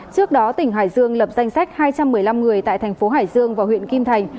trước đó tỉnh hải dương lập danh sách hai trăm một mươi năm người tại thành phố hải dương và huyện kim thành